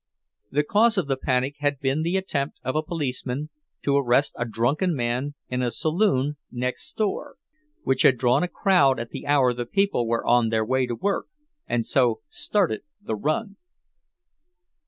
The cause of the panic had been the attempt of a policeman to arrest a drunken man in a saloon next door, which had drawn a crowd at the hour the people were on their way to work, and so started the "run."